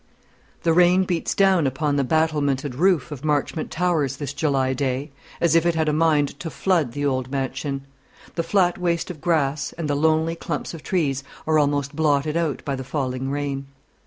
The rain beats down upon the battlemented roof of Marchmont Towers this July day, as if it had a mind to flood the old mansion. The flat waste of grass, and the lonely clumps of trees, are almost blotted out by the falling rain.